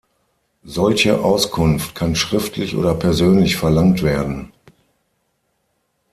Solche Auskunft kann schriftlich oder persönlich verlangt werden.